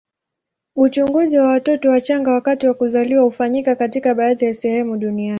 Uchunguzi wa watoto wachanga wakati wa kuzaliwa hufanyika katika baadhi ya sehemu duniani.